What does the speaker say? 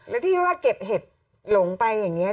แล้วที่ว่าเก็บเห็ดหลงไปอย่างนี้